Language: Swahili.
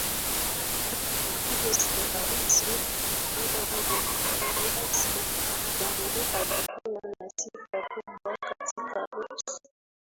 Hata hivyo si rahisi kuamua ni kiasi gani alikuwa na sifa kubwa katika ofisi